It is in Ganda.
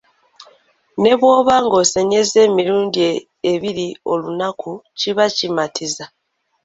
Ne bw'oba ng'osenyezza emirundi ebiri olunaku kiba kimatiza.